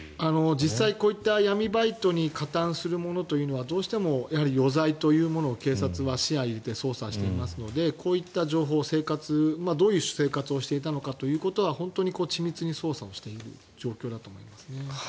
実際、こういった闇バイトに加担する者というのはどうしても余罪というものを警察は視野に入れて捜査していますのでこういった情報、生活どういう生活をしていたのかということは本当に緻密に捜査している状況だと思います。